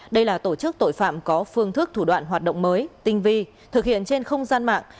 đây là tổ chức tội phạm có phương thức thủ đoạn hoạt động mới tinh vi thực hiện trên không gian mạng